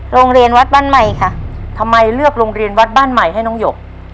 โรงเรียนวัดบ้านใหม่ค่ะทำไมเลือกโรงเรียนวัดบ้านใหม่ให้น้องหยก